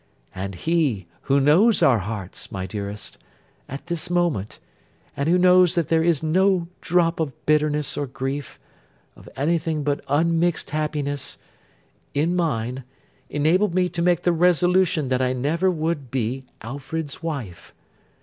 And He who knows our hearts, my dearest, at this moment, and who knows there is no drop of bitterness or grief—of anything but unmixed happiness—in mine, enabled me to make the resolution that I never would be Alfred's wife.